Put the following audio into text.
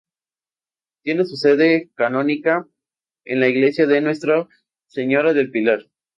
Tiene su sede canónica en la Iglesia de Nuestra Señora del Pilar.